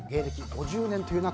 ５０年という中